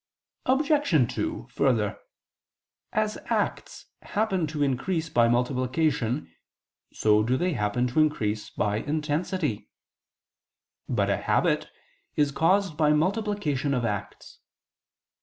Obj. 2: Further, as acts happen to increase by multiplication so do they happen to increase by intensity. But a habit is caused by multiplication of acts.